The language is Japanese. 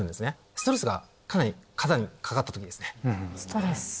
ストレスがかなり過多にかかった時ですね。